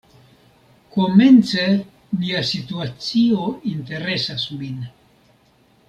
Komence nia situacio interesas min.